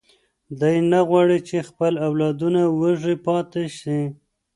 دی نه غواړي چې خپل اولادونه وږي پاتې شي.